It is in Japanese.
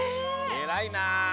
えらいな。